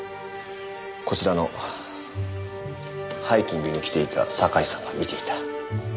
こちらのハイキングに来ていた堺さんが見ていた。